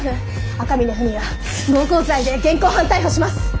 赤峰文也暴行罪で現行犯逮捕します。